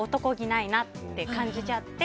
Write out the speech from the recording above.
男気ないなって感じちゃって。